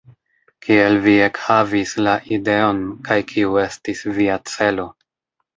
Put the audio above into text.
Kiel vi ekhavis la ideon, kaj kiu estis via celo?